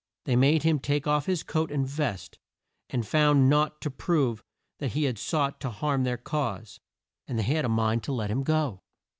They made him take off his coat and vest, and found naught to prove that he had sought to harm their cause, and they had a mind to let him go.